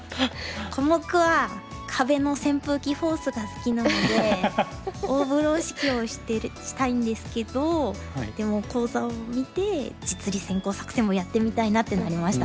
コモクは壁の扇風機フォースが好きなので大風呂敷をしたいんですけどでも講座を見て実利先行作戦もやってみたいなってなりました。